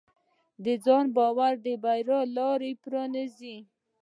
ځانباوري د بریا لاره پرانیزي.